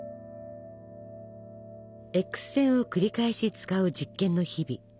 Ｘ線を繰り返し使う実験の日々。